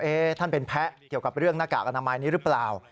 ท่านเป็นแพ้เกี่ยวกับเรื่องหน้ากากอนามัยนี้หรือเปล่า